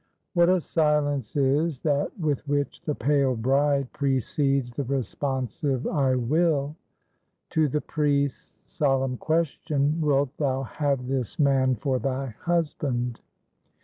What a silence is that with which the pale bride precedes the responsive I will, to the priest's solemn question, _Wilt thou have this man for thy husband?